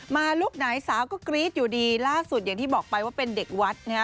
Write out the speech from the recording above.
ลูกไหนสาวก็กรี๊ดอยู่ดีล่าสุดอย่างที่บอกไปว่าเป็นเด็กวัดนะฮะ